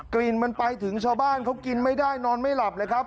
กลิ่นมันไปถึงชาวบ้านเขากินไม่ได้นอนไม่หลับเลยครับ